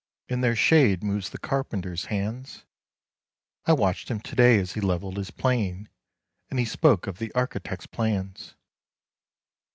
In their shade moves the carpenter's hands, I watched him to day as he leveled his plane, And he spoke of the architect's plans.